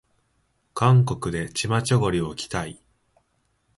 韓国でチマチョゴリを着たい